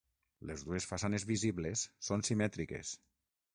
Les dues façanes visibles són simètriques.